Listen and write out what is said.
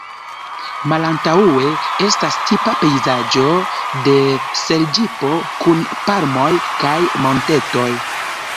Malantaŭe estas tipa pejzaĝo de Serĝipo, kun palmoj kaj montetoj.